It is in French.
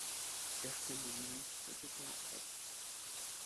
Bersani l'imite peu de temps après.